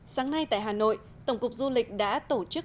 sáng nay tại hà nội tổng cục du lịch đã tổ chức